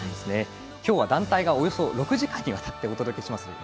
今日は団体がおよそ６時間にわたって行われます。